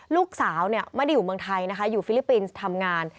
ลูกสาวไม่ได้อยู่เมืองไทยนะคะอยู่ฟิลิปปินส์ทำงาน